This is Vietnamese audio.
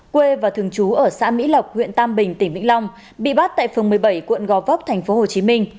quê và thường chú ở xã mỹ lộc huyện tam bình tỉnh vĩnh long bị bắt tại phường một mươi bảy quận gò vóc tp hcm